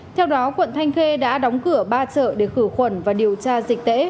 theo đó quận thanh khê đã đóng cửa ba chợ để khử khuẩn và điều tra dịch tễ